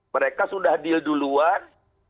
mereka sudah deal duluan